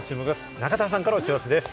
中田さんからお知らせです。